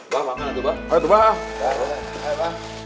bapak makan lah tuh bapak